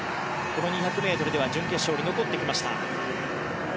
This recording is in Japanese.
この２００ｍでは準決勝に残ってきました。